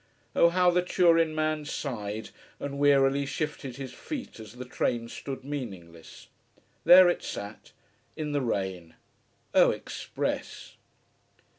Oh how the Turin man sighed, and wearily shifted his feet as the train stood meaningless. There it sat in the rain. Oh express!